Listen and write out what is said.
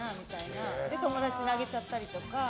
それで友達にあげちゃったりとか。